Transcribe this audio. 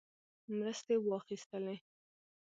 مرستې واخیستلې.